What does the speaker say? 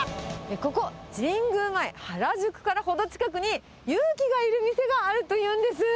ここ、神宮前、原宿から程近くに、勇気がある店があるというんです。